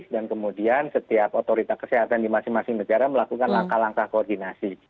dan kemudian setiap otorita kesehatan di masing masing negara melakukan langkah langkah koordinasi